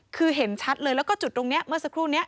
คือเห็นชัดเลยแล้วก็จุดตรงนี้เมื่อสักครู่นี้